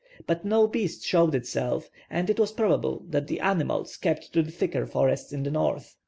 But no beast showed itself, and it was probable that the animals kept to the thicker forests in the south.